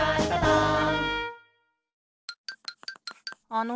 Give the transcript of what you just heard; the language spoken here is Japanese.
あの。